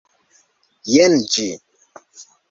Jen ĝi